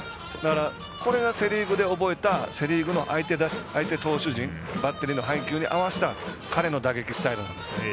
これがセ・リーグで覚えたセ・リーグの相手投手陣、バッテリーの配球に合わせた彼のスタイルです。